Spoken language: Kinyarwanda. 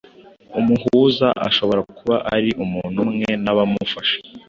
umuhuza ashobora kuba ari umuntu umwe ntabamufasha.